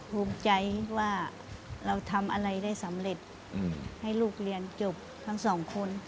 ภูมิใจว่าเราทำอะไรได้สำเร็จให้ลูกเรียนจบทั้งสองคน